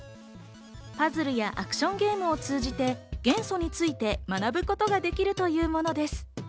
パズルやアクションゲームを通じて元素について学ぶことができるというものです。